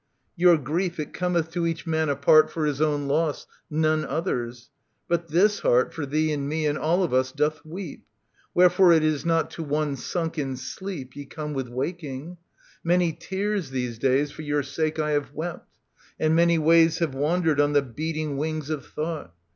Your grief, it cometh to each man apart For his own loss, none other's ; but this heart For thee and me and all of us doth weep. Wherefore it is not to one sunk in sleep Ye come with waking. Many tears these days For your sake I have wept, and many ways Have wandered on the beating wings of thought.